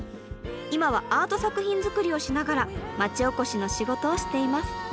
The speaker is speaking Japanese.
今はアート作品作りをしながら町おこしの仕事をしています。